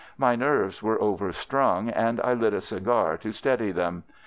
My nerves were overstrung, and I lit a cigar to steady them.